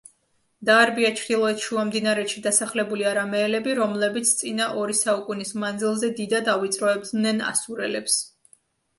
დაარბია ჩრდილოეთ შუამდინარეთში დასახლებული არამეელები, რომლებიც წინა ორი საუკუნის მანძილზე დიდად ავიწროებდნენ ასურელებს.